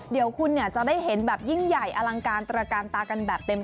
เดี๋ยวคุณจะได้เห็นแบบยิ่งใหญ่อลังการตระการตากันแบบเต็ม